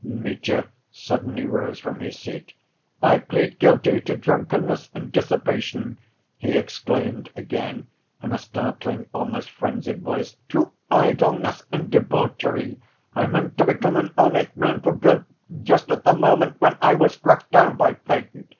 Mitya suddenly rose from his seat. "I plead guilty to drunkenness and dissipation," he exclaimed, again in a startling, almost frenzied, voice, "to idleness and debauchery. I meant to become an honest man for good, just at the moment when I was struck down by fate.